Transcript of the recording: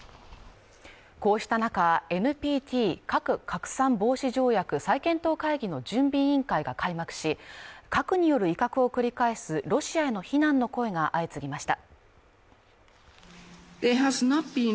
こうした中ＮＰＴ＝核拡散防止条約再検討会議の準備委員会が開幕し核による威嚇を繰り返すロシアへの非難の声が相次ぎました